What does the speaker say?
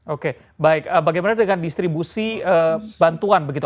oke baik bagaimana dengan distribusi bantuan begitu